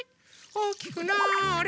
おおきくなあれ。